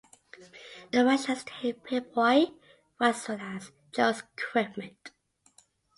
The Russians take Priboi, as well as Jones' equipment.